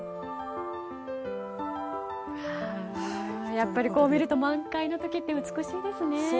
やっぱりこう見ると満開の時って美しいですね。